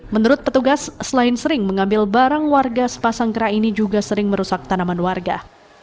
menurut petugas selain sering mengambil barang warga sepasang kera ini juga sering merusak tanaman warga